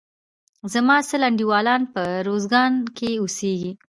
زما سل انډيوالان په روزګان کښي اوسيږي.